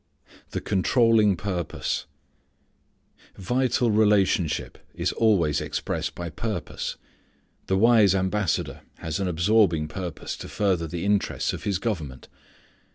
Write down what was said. The Controlling Purpose. Vital relationship is always expressed by purpose. The wise ambassador has an absorbing purpose to further the interests of his government.